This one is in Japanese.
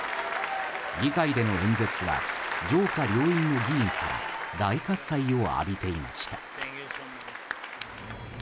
議会での演説は上下両院の議員から大喝采を浴びていました。